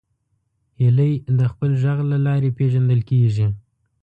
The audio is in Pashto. هیلۍ د خپل غږ له لارې پیژندل کېږي